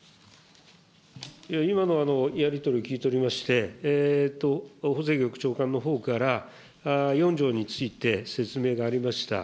今のやり取りを聞いておりまして、法制局長官のほうから４条について説明がありました。